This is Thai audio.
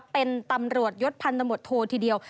เป็นตำรวจยศพันธมตโททีเดียว